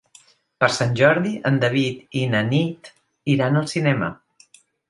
Per Sant Jordi en David i na Nit iran al cinema.